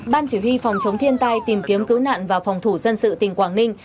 ban chỉ huy phòng chống thiên tai tìm kiếm cứu nạn và phòng thủ dân sự tỉnh quảng ninh